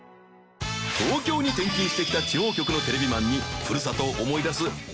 東京に転勤してきた地方局のテレビマンに佞襪気箸鮖廚そ个骨